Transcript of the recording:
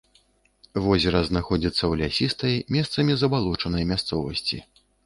Возера знаходзіцца ў лясістай, месцамі забалочанай мясцовасці.